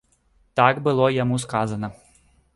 Так было яму сказана.